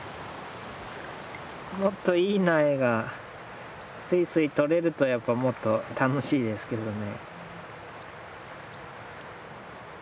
もっといい苗がスイスイとれるとやっぱもっと楽しいですけどね。